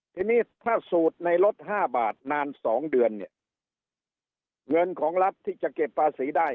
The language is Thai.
ทีนี้ถ้าสูตรในรถห้าบาทนานสองเดือนเนี่ยเงินของรัฐที่จะเก็บภาษีได้